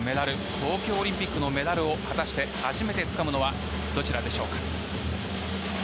東京オリンピックのメダルを初めてつかむのは果たしてどちらでしょうか。